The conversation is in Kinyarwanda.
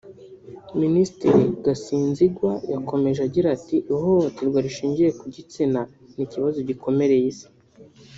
Minisitiri Gasinzigwa yakomeje agira ati “Ihohoterwa rishingiye ku gitsina ni ikibazo gikomereye Isi